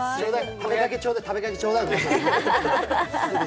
食べかけちょうだい、食べかけちょうだい。